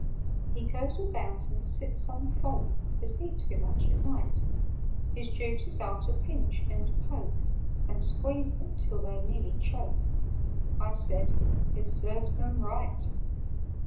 "He goes about and sits on folk That eat too much at night: His duties are to pinch, and poke, And squeeze them till they nearly choke." (I said "It serves them right!")